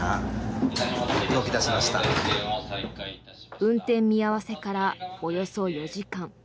運転見合わせからおよそ４時間。